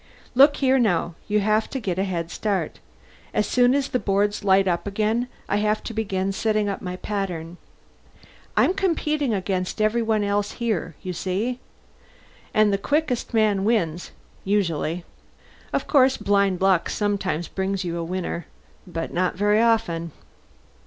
"Look here, now. You have to get a head start. As soon as the boards light up again, I have to begin setting up my pattern. I'm competing against everyone else here, you see. And the quickest man wins, usually. Of course, blind luck sometimes brings you a winner but not very often."